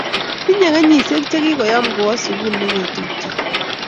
tinyei kenyishiek chegigoyam kowo sugul negetupche